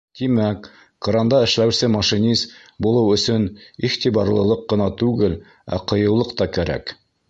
Тимәк, кранда эшләүсе машинист булыу өсөн иғтибарлылыҡ ҡына түгел, ә ҡыйыулыҡ та кәрәк.